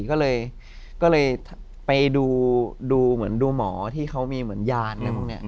ก็เลยไปดูเหมือนดูหมอที่เขามีเหมือนยานอะไรพวกนี้